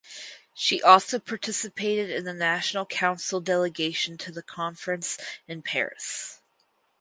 She also participated in the National Council delegation to the conference in Paris.